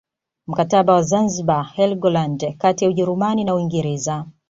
Mkataba wa Zanzibar Helgoland kati ya Ujerumani na Uingereza